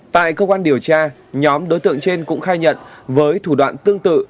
tại cơ quan điều tra nhóm đối tượng trên cũng khai nhận với thủ đoạn tương tự